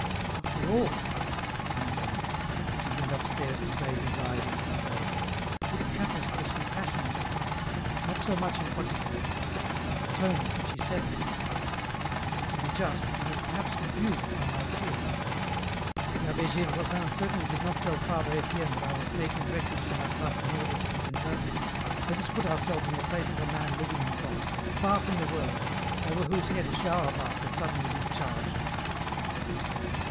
"After all," he went on, as he went upstairs to bathe his eyes in his cell, " this Trappist was compassionate at last, not so much in what he said, as the tone in which he EN ROUTE. l8l said it ; then, to be just, he was perhaps confused by my tears ; the Abbd Gevresin certainly did not tell Father Etienne that I was taking refuge in La Trappe in order to be converted, let us put ourselves in the place of a man living in God, far from the world, over whose head a shower bath is suddenly discharged.